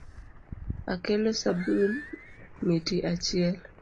Akelo sabun miti achiel.